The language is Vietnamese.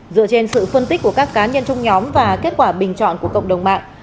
dựa trên sự phân tích của các cá nhân trong nhóm và kết quả bình chọn của cộng đồng mạng